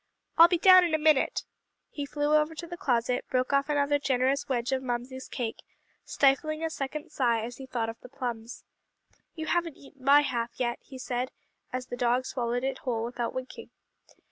"I'll be down in a minute." He flew over to the closet, broke off another generous wedge of Mamsie's cake, stifling a second sigh as he thought of the plums. "You haven't eaten my half yet," he said as the dog swallowed it whole without winking.